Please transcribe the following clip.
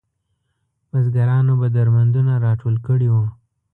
بزګرانو به درمندونه راټول کړي وو.